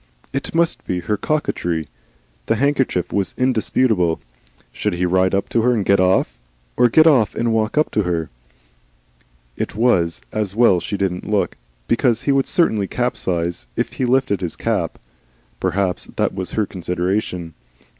It must be her coquetry the handkerchief was indisputable. Should he ride up to her and get off, or get off and ride up to her? It was as well she didn't look, because he would certainly capsize if he lifted his cap. Perhaps that was her consideration.